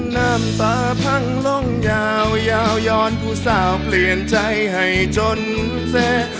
น้ำตาพังลงยาวย้อนผู้สาวเปลี่ยนใจให้จนเศรษฐ์